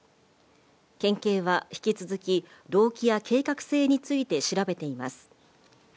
県警は引き続き、動機や計画性について調べています。